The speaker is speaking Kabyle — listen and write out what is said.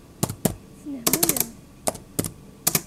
Tesnehmuyemt.